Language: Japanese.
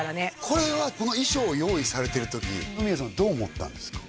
これはこの衣装を用意されてる時フミヤさんはどう思ったんですか？